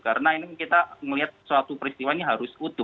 karena ini kita melihat suatu peristiwa ini harus utuh